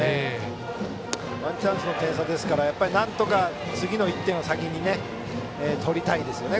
ワンチャンスの点差ですから、なんとか次の１点を先に取りたいですね。